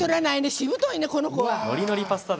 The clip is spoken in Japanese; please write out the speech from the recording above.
しぶといね、この子は。